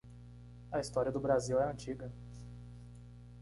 A história do Brasil é antiga.